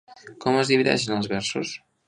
Com es divideixen els versos?